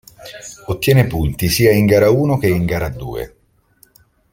Ottiene punti sia in gara uno che in gara due.